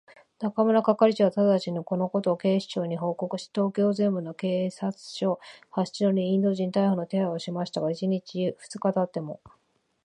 中村係長はただちに、このことを警視庁に報告し、東京全都の警察署、派出所にインド人逮捕の手配をしましたが、一日たち二日たっても、